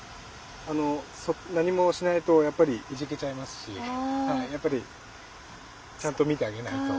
何もしないとやっぱりいじけちゃいますしやっぱりちゃんと見てあげないと。